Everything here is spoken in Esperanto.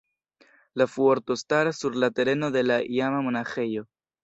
La fuorto staras sur la tereno de la iama monaĥejo.